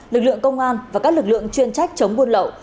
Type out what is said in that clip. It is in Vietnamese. lực lượng công an và các lực lượng chuyên trách chống buôn lậu